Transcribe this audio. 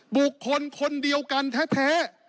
บุคคลคนเดียวกันแท้